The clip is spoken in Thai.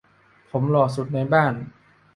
ผมหล่อสุดในบ้าน